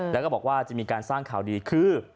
แล้วก็บอกว่าจะมีการสร้างข่าวดีคือ